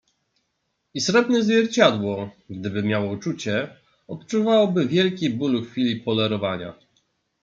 "„I srebrne zwierciadło, gdyby miało czucie, odczuwało by wielki ból w chwili polerowania."